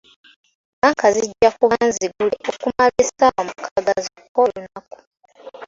Bbanka zijja kuba nzigule okumala essaawa mukaaga zokka olunaku.